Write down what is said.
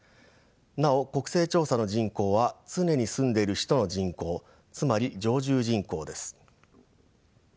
なお国勢調査の人口は常に住んでいる人の人口つまり常住人口です。